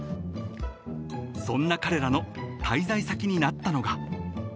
［そんな彼らの滞在先になったのが］